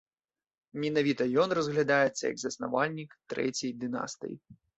Менавіта ён разглядаецца як заснавальнік трэцяй дынастыі.